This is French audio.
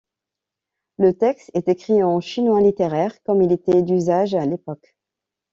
Le texte est écrit en chinois littéraire comme il était d'usage à l'époque.